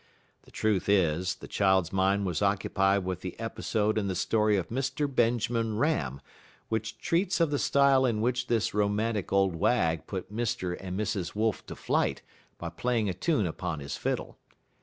The truth is, the child's mind was occupied with the episode in the story of Mr. Benjamin Ram which treats of the style in which this romantic old wag put Mr. and Mrs. Wolf to flight by playing a tune upon his fiddle.